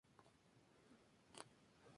El resto, irán quedando eliminados.